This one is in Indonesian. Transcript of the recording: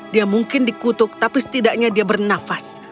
dia mungkin dikutuk tapi setidaknya dia bernafas